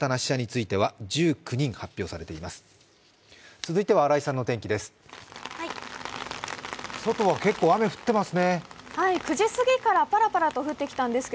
続いては、新井さんの天気です。